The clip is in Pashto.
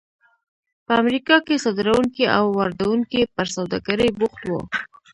په امریکا کې صادروونکي او واردوونکي پر سوداګرۍ بوخت وو.